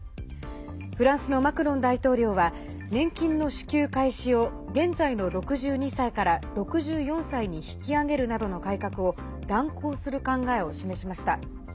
フランスのマクロン大統領は年金の支給開始を現在の６２歳から６４歳に引き上げるなどの改革を断行する考えを示しました。